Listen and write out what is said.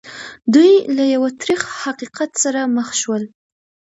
دوی له یو تریخ حقیقت سره مخ شول